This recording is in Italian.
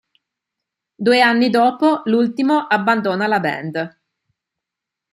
Due anni dopo, l'ultimo abbandona la band.